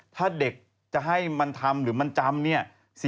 ถ้าเด็กจะให้มันทำหรือมันจำเนี่ย